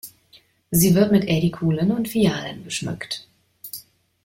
Sie wird mit Ädikulen und Fialen geschmückt.